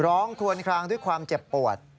คลวนคลางด้วยความเจ็บปวด